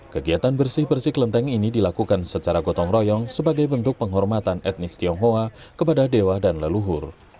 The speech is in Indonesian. kegiatan bersih bersih kelenteng ini dilakukan secara gotong royong sebagai bentuk penghormatan etnis tionghoa kepada dewa dan leluhur